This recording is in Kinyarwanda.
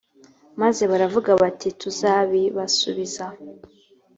maze baravuga bati tuzabibasubiza